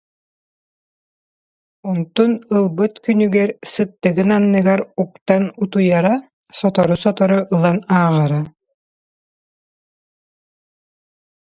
Онтун ылбыт күнүгэр сыттыгын анныгар уктан утуйара, сотору-сотору ылан ааҕара